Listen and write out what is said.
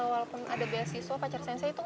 walaupun ada beasiswa pacar sensei tuh